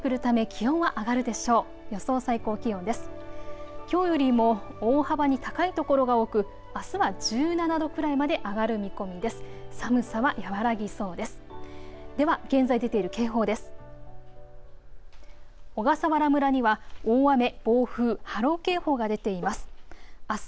きょうよりも大幅に高い所が多くあすは１７度くらいまで上がる見込みです。